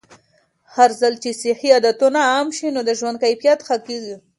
هرځل چې صحي عادتونه عام شي، د ژوند کیفیت ښه کېږي.